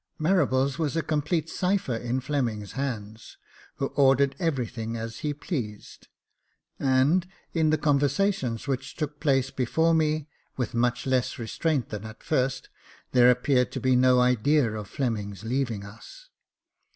Marables was a complete cipher in Fleming's hands, who ordered everything as he pleased ; and, in the conversations which took place before me, with much less restraint than at first, Jacob Faithful 6i there appeared to be no idea of Fleming's leaving us.